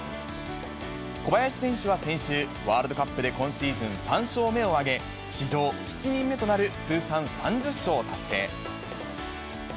小林選手は先週、ワールドカップで今シーズン３勝目を挙げ、史上７人目となる通算３０勝を達成。